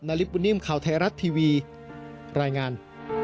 ริปบุญนิ่มข่าวไทยรัฐทีวีรายงาน